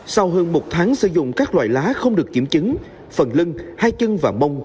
sau hơn một tháng sử dụng các loại lá không được kiểm chứng phần lưng hai chân và mông